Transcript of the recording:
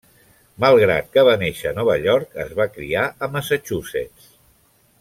Malgrat que va néixer a Nova York es va criar a Massachusetts.